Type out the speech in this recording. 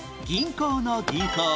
銀行の銀行。